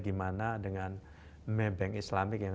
gimana dengan maybank islamic yang